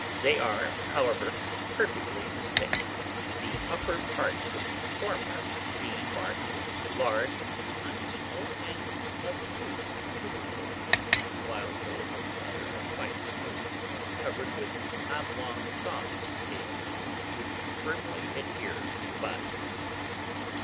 They are, however, perfectly distinct; the upper parts of the former being marked with large, unequal, and obtuse tubercles, while those of the other are quite smooth, and covered with oblong soft scales, which firmly adhere to the body.